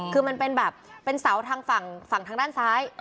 คือมันเป็นแบบเป็นเสาทางฝั่งทางด้านซ้าย